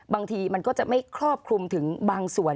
บางทีมันก็จะไม่ครอบคลุมถึงบางส่วน